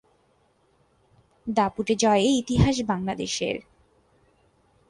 দাপুটে জয়ে ইতিহাস বাংলাদেশের